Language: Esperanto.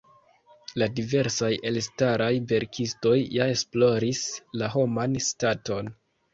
La diversaj elstaraj verkistoj ja esploris la homan staton.